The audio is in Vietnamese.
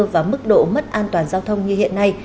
và mức độ mất an toàn giao thông như hiện nay